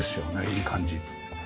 いい感じ。